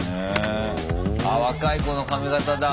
あ若い子の髪形だ。